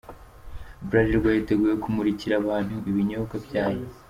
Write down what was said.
Bralirwa yiteguye kumurikira abantu ibinyobwa byayo.